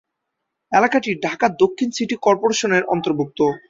এলাকাটি ঢাকা দক্ষিণ সিটি কর্পোরেশনের অন্তর্ভুক্ত।